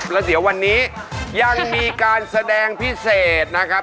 แล้วเดี๋ยววันนี้ยังมีการแสดงพิเศษนะครับ